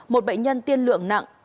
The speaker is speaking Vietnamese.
một bệnh nhân tiên lượng nặng